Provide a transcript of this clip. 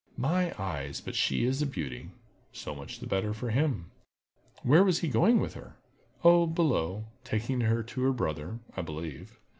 "My eyes! but she is a beauty!" "So much the better for him." "Where was he going with her?" "Oh, below—taking her to her brother, I believe."